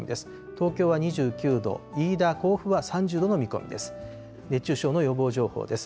東京は２９度、飯田、甲府は３０度の見込みです。